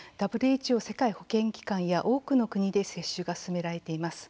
ＷＨＯ＝世界保健機関や多くの国で接種が勧められています。